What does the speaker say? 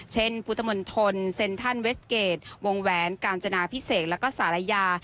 เช่นพุทธมนตรเซ็นทรัลเวสเกจวงแหวนกาญจนาพิเศษแล้วก็ศาลายา